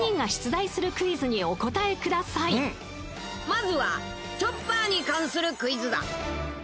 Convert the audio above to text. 「まずはチョッパーに関するクイズだ」